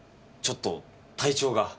ちょっと体調が。